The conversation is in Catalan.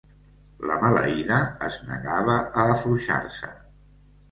La maleïda es negava a afluixar-se